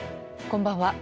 こんばんは。